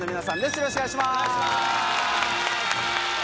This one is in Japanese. よろしくお願いします！